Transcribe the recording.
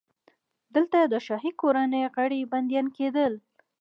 دلته د شاهي کورنۍ غړي بندیان کېدل.